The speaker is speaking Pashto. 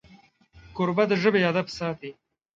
کوربه د ژبې ادب ساتي.